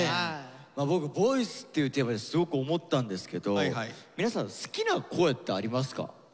まあ僕「ＶＯＩＣＥ」っていうテーマですごく思ったんですけど皆さん好きな声ってありますか？